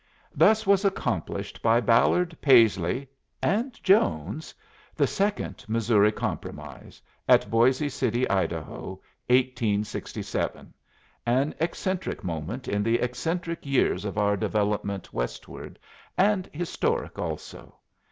Thus was accomplished by Ballard, Paisley and Jones the Second Missouri Compromise, at Boisé City, Idaho, 1867 an eccentric moment in the eccentric years of our development westward, and historic also.